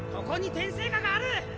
ここに天生牙がある！